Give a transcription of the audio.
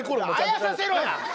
あやさせろや！